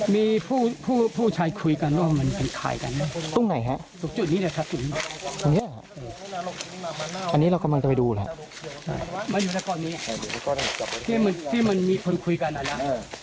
มันอยู่ในก้อนนี้ที่มันมีคนคุยกันอ่ะนะ